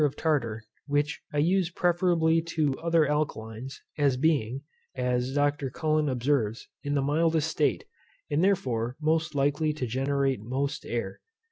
tartar, which I use preferably to other alkalines, as being (as Dr. Cullen observes) in the mildest state, and therefore most likely to generate most air.